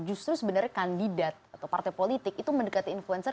justru sebenarnya kandidat atau partai politik itu mendekati influencer